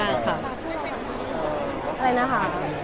อะไรนะคะ